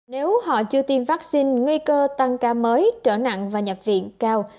nếu họ chưa tiêm vaccine nguy cơ tăng ca mới trở nặng và nhập viện cao